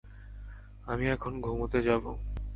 আমি এখন ঘুমোতে যাবো।